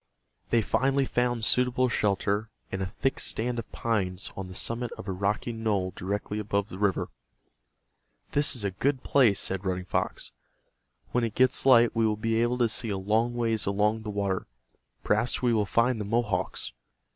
They finally found suitable shelter in a thick stand of pines on the summit of a rocky knoll directly above the river. "This is a good place," said Running Fox. "When it gets light we will be able to see a long ways along the water. Perhaps we will find the Mohawks."